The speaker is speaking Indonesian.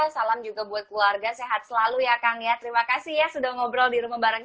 salam juga buat keluarga sehat selalu ya kang ya terima kasih ya sudah ngobrol di rumah bareng